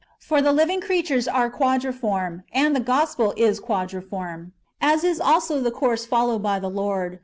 ^ For the living creatures are quadriform, and the Gospel is quadriform, as is also the course followed by the Lord.